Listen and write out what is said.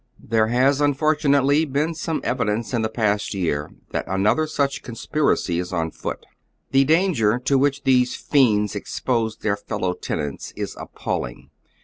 There has, unfortunately, been some evidence in the past year that anotlier such conspiracy is on foot. The danger to which these fiends expose their fellow ten ants is appalling.